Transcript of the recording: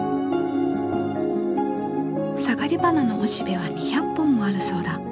サガリバナのおしべは２００本もあるそうだ。